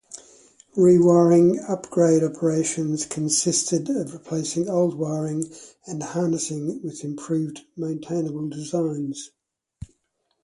Rewiring upgrade operations consisted of replacing old wiring and harnesses with improved maintainable designs.